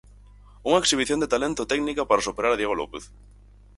Unha exhibición de talento e técnica para superar a Diego López.